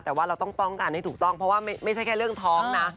แต่ว่าเราต้องป้องกันให้ถูกต้องเพราะว่าไม่ใช่แค่เรื่องท้องนะ